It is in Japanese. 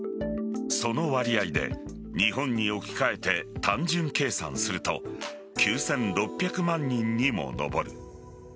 その割合で、日本に置き換えて単純計算すると９６００万人にも上る。